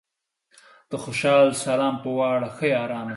د خوشال سلام پۀ واړه ښو یارانو